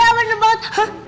iya bener banget